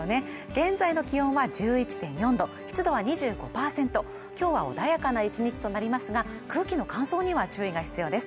現在の気温は１１．４℃、湿度は２５％、今日は穏やかな一日となりますが、空気の乾燥には注意が必要です。